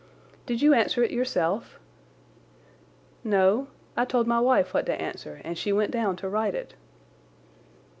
"Did you answer it yourself?" "No; I told my wife what to answer and she went down to write it."